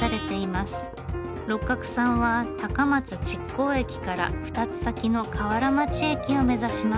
六角さんは高松築港駅から２つ先の瓦町駅を目指します。